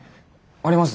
あります